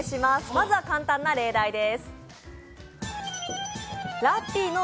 まずは簡単な例題です。